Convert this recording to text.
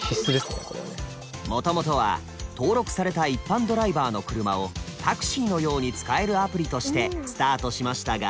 もともとは登録された一般ドライバーの車をタクシーのように使えるアプリとしてスタートしましたが